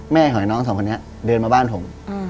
แม่ของไอ้น้องสองคนนี้เดินมาบ้านผม